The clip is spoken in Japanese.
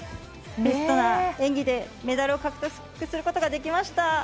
ベストな演技でメダルを獲得することができました。